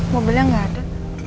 mobilnya nggak ada